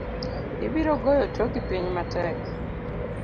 Ibiro goyo toki piny matek.